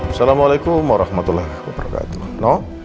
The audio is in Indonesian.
assalamualaikum warahmatullahi wabarakatuh